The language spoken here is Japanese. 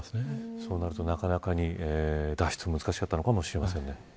そうなると、なかなか脱出は難しかったのかもしれませんね。